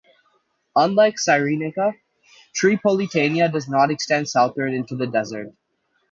Unlike Cyrenaica, Tripolitania does not extend southward into the desert.